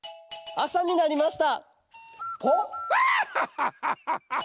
あさになりました。